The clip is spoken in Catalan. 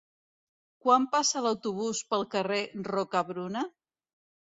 Quan passa l'autobús pel carrer Rocabruna?